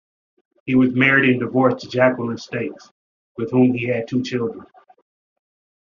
He was married and divorced to Jacqueline Stakes, with whom he had two children.